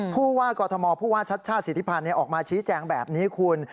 ผู้ว่ากอทมผู้ว่าชัดชาติสิทธิพันธ์ออกมาชี้แจงแบบนี้คุณ